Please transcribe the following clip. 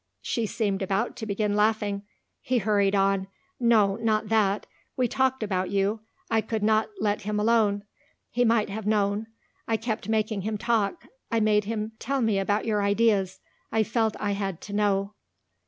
She seemed about to begin laughing. He hurried on. "No, not that. We talked about you. I could not let him alone. He might have known. I kept making him talk. I made him tell me about your ideas. I felt I had to know."